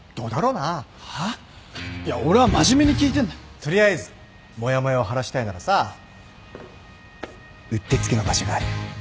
取りあえずもやもやを晴らしたいならさうってつけの場所があるよ